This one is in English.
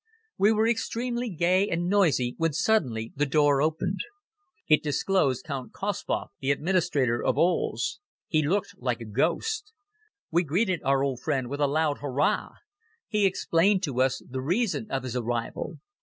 We were extremely gay and noisy when suddenly the door opened. It disclosed Count Kospoth, the Administrator of Ols. He looked like a ghost. We greeted our old friend with a loud Hoorah! He explained to us the reason of his arrival.